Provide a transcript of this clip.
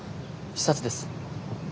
視察です。